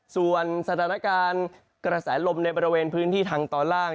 ส่วนสถานการณ์กระแสลมในบริเวณพื้นที่ทางตอนล่าง